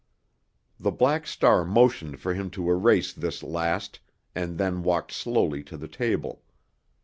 The Black Star motioned for him to erase this last, and then walked slowly to the table.